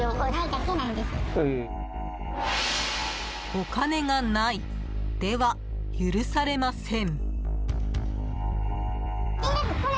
お金がないでは許されません。